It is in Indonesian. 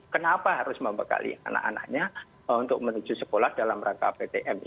kenapa harus membekali anak anaknya untuk menuju sekolah dalam rangka ptm